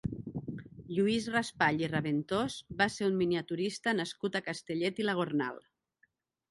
Lluís Raspall i Raventós va ser un miniaturista nascut a Castellet i la Gornal.